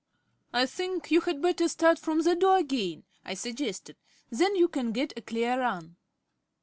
"I think you had better start from the door again," I suggested. "Then you can get a clear run."